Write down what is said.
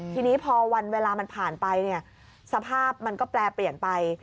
ทีนี้พอวันเวลามันผ่านไปเนี่ยสภาพมันก็แปลเปลี่ยนไป